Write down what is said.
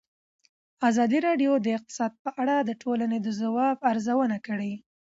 ازادي راډیو د اقتصاد په اړه د ټولنې د ځواب ارزونه کړې.